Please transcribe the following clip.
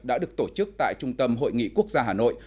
đã được tổ chức tại trung tâm hội nghị quốc gia hà nội